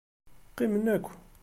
Qqimen akk.